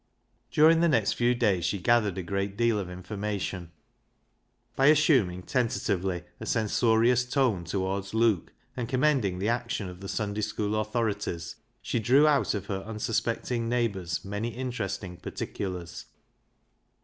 During the next few days she gathered a great deal of information. By assuming tentatively a censorious tone towards Luke, and commending the action of the Sunday school authorities, she drew out of her unsuspecting neighbours many interesting particulars.